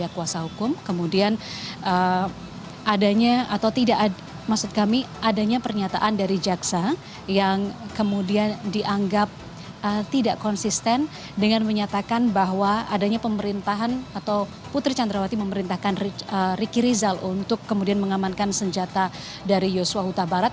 kemudian adanya atau tidak maksud kami adanya pernyataan dari jaksa yang kemudian dianggap tidak konsisten dengan menyatakan bahwa adanya pemerintahan atau putri chandrawati memerintahkan ricky rizal untuk kemudian mengamankan senjata dari yusuf wahuta barat